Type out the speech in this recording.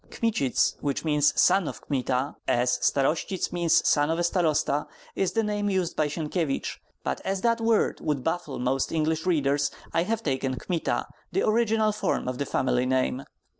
Kmitsits, which means "son of Kmita," as "starostsits" means "son of a starosta," is the name used by Sienkiewicz; but as that word would baffle most English readers, I have taken Kmita, the original form of the family name.